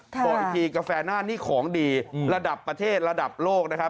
บอกอีกทีกาแฟหน้านี่ของดีระดับประเทศระดับโลกนะครับ